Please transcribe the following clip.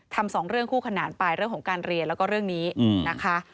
สองเรื่องคู่ขนานไปเรื่องของการเรียนแล้วก็เรื่องนี้นะคะ